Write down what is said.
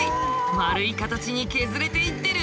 丸い形に削れていってる。